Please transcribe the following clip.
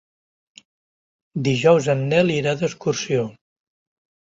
Dijous en Nel irà d'excursió.